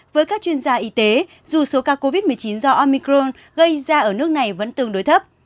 với các chuyên gia y tế dù số ca covid một mươi chín do omicron gây ra ở nước này vẫn tương đối thấp